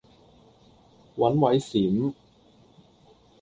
揾位閃